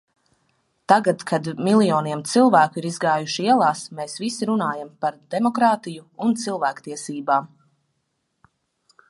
Tagad, kad miljoniem cilvēku ir izgājuši ielās, mēs visi runājam par demokrātiju un cilvēktiesībām.